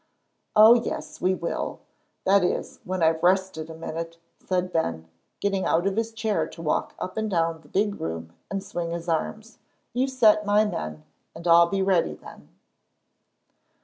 "Oh, yes, we will; that is, when I've rested a minute," said Ben, getting out of his chair to walk up and down the big room and swing his arms. "You set my men, and I'll be ready then."